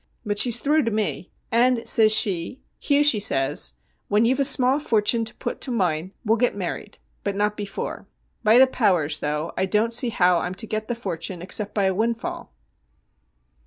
But she's thrue to me, and, says she, Hugh, she says, when you've a small fortun' to put to moine we'll get married, but not before. Be the powers, though, I don't see how I'm to get the fortun' except by a windfall.'